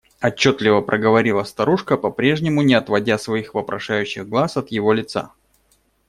Отчетливо проговорила старушка, по-прежнему не отводя своих вопрошающих глаз от его лица.